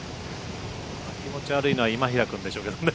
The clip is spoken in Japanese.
気持ち悪いのは今平君でしょうけどね。